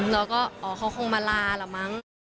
แล้วก็เขาคงมาลาละมั้ง